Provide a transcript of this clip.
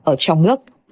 ở trong nước